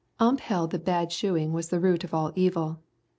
Ump held that bad shoeing was the root of all evil.